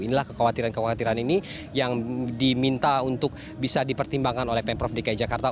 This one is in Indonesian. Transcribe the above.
inilah kekhawatiran kekhawatiran ini yang diminta untuk bisa dipertimbangkan oleh pemprov dki jakarta